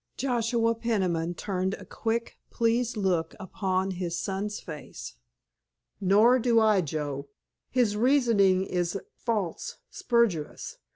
Joshua Peniman turned a quick, pleased look upon his son's face. "Nor do I, Joe. His reasoning is false, spurious.